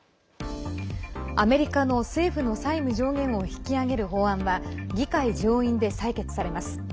アメリカの債務上限を引き上げる法案は議会上院で採決されます。